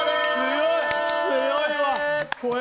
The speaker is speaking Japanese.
強いわ。